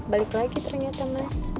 balik lagi ternyata mas